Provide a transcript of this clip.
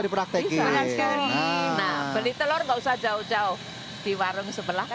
di warung sebelah